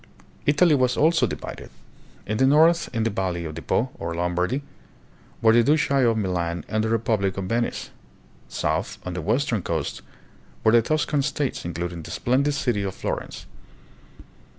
Italy was also divided. In the north, in the valley of the Po, or Lombardy, were the duchy of Milan and the Repub lic of Venice; south, on the western coast, were the Tuscan states, including the splendid city of Florence.